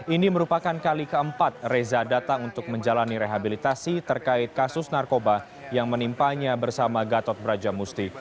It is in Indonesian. ini merupakan kali keempat reza datang untuk menjalani rehabilitasi terkait kasus narkoba yang menimpanya bersama gatot brajamusti